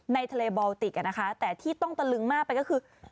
ในทะเลบอลติกนะคะแต่ที่ต้องตะลึงมากไปก็คือ